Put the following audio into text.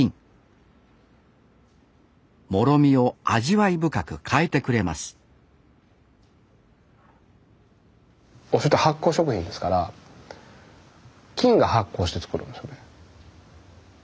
もろみを味わい深く変えてくれますおしょうゆって発酵食品ですから菌が発酵して造るんですよね。